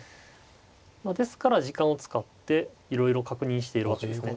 ですから時間を使っていろいろ確認しているわけですね。